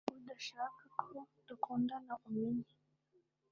udashaka ko dukundana umenye